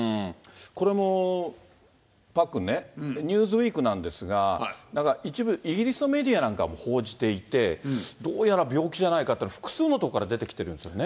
これもパックンね、ニューズウィークなんですが、一部、イギリスのメディアなんかも報じていて、どうやら病気じゃないかっていうのは複数のところから出てきてるんですよね。